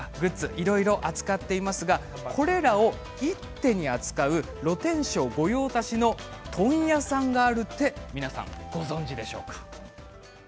いろいろ扱っていますがこれらを一手に扱う露天商御用達の問屋さんがあるって皆さんご存じでしょうか。